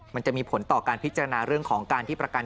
มันจะมีผลต่อการพิจารณาเรื่องของการที่ประกัน